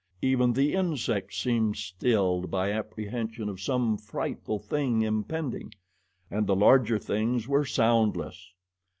Even the insects seemed stilled by apprehension of some frightful thing impending, and the larger things were soundless.